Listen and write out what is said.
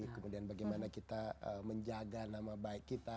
kemudian bagaimana kita menjaga nama baik kita